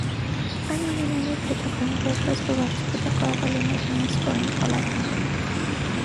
Այնուամենայնիվ հետագայում որոշվեց, որ վարչապետը կարող է լինել միայն ստորին պալատիվ։